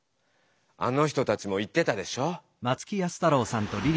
あの人たちも言ってたでしょ。